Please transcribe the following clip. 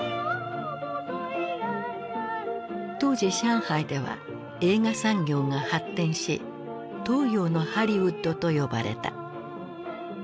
当時上海では映画産業が発展し「東洋のハリウッド」と呼ばれた。